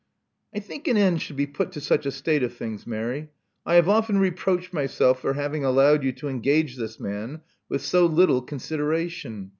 *' '*I think an end should be put to such a state of things, Mary. I have often reproached myself for having allowed you to engage this man with so little consideration.